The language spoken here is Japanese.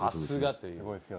さすがという。